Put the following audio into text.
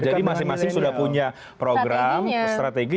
jadi masing masing sudah punya program strategi